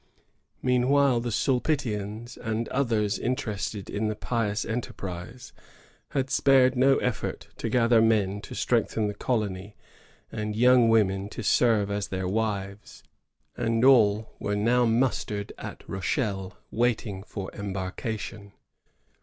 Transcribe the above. Meanwhile, the Sulpitians and others interested in the pious enterprise, had spared no effort to gather men to strengthen the colony, and young women to serve as their wives; and all were now mustered at Rochelle, waiting for embarkation.